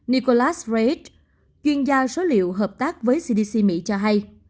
nicholas wright chuyên gia số liệu hợp tác với cdc mỹ cho hay